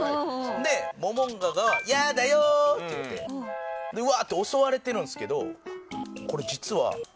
でモモンガが「ヤダよ」って言ってわーって襲われてるんですけどこれ実は。